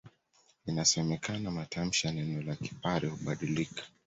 Inasemekana matamshi ya neno la Kipare hubadilika